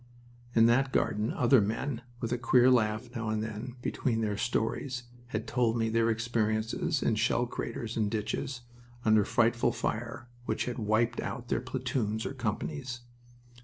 In that garden, other men, with a queer laugh now and then between their stories, had told me their experiences in shell craters and ditches under frightful fire which had "wiped out" their platoons or companies.